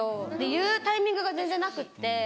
言うタイミングが全然なくって。